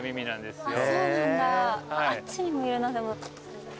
あっちにもいるな。